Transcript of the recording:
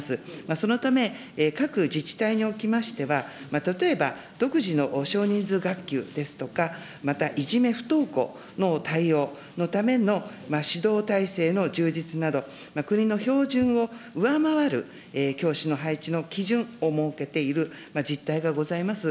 そのため、各自治体におきましては、例えば独自の少人数学級ですとか、またいじめ、不登校の対応のための指導体制の充実など、国の標準を上回る教師の配置の基準を設けている実態がございます。